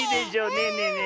ねえねえねえ。